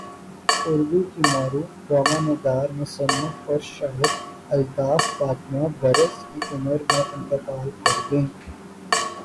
اردو کی معروف ڈرامہ نگار مصنفہ اور شاعرہ الطاف فاطمہ برس کی عمر میں انتقال کر گئیں